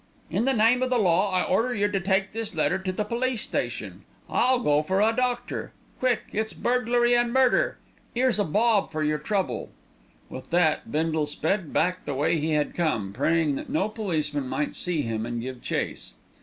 "In the name of the law I order yer to take this letter to the police station. I'll go for a doctor. Quick it's burglary and murder! 'Ere's a bob for yer trouble." With that, Bindle sped back the way he had come, praying that no policeman might see him and give chase.